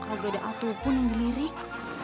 agak ada atuh pun yang dilirik